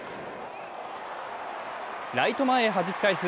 ライト前へはじき返す